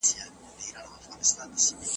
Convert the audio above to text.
د لاس لیکنه د زده کوونکو د فعال ګډون نښه ده.